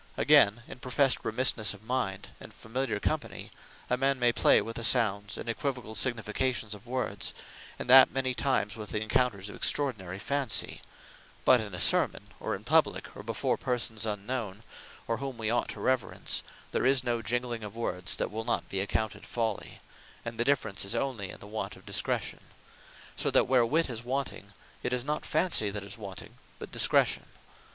Again, in profest remissnesse of mind, and familiar company, a man may play with the sounds, and aequivocal significations of words; and that many times with encounters of extraordinary Fancy: but in a Sermon, or in publique, or before persons unknown, or whom we ought to reverence, there is no Gingling of words that will not be accounted folly: and the difference is onely in the want of Discretion. So that where Wit is wanting, it is not Fancy that is wanting, but Discretion.